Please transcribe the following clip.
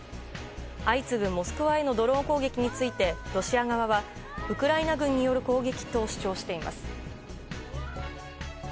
相次ぐモスクワへのドローン攻撃についてロシア側はウクライナ軍による攻撃と主張しています。